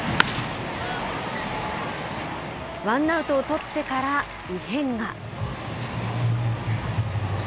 ワンアウトを取ってから異変が。